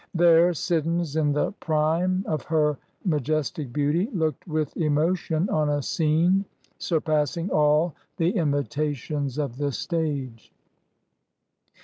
There Siddons, in the prime of her majestic beauty, looked with emotion on a scene surpassing all the imitations of the stage.